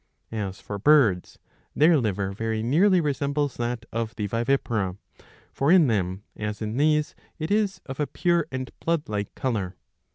As for birds, their liver very nearly resembles that of the vivipara ; for in them, as in these, it is of a pure and blood like colour.